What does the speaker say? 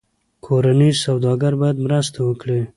کورني سوداګر باید مرسته وکړي.